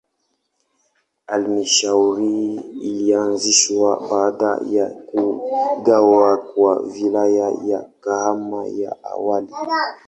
Halmashauri ilianzishwa baada ya kugawa kwa Wilaya ya Kahama ya awali.